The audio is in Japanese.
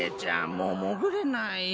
もうもぐれない。